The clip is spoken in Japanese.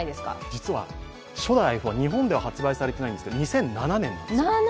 実は初代、日本では発売されてないんですけど、２００７年なんですよ。